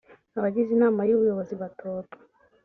abagize inama y ubuyobozi batorwa